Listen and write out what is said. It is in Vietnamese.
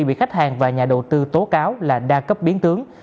bị khách hàng và nhà đầu tư tố cáo là đa cấp biến tướng